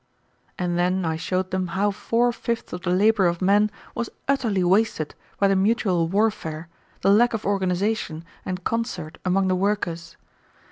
And then I showed them how four fifths of the labor of men was utterly wasted by the mutual warfare, the lack of organization and concert among the workers.